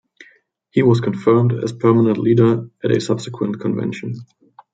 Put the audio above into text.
He was confirmed as permanent leader at a subsequent convention.